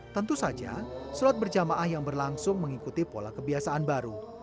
tentu saja sholat berjamaah yang berlangsung mengikuti pola kebiasaan baru